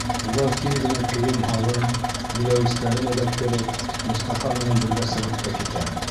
Улар тиҙ генә кейем-һалым, биҙәүестәрен эләктереп, Мостафа менән бергә сығып та китә.